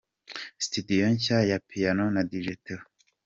Studio nshya ya Piano na Dj Theo.